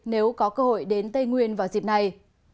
nếu có cơ hội đến tây nguyên vào dịp này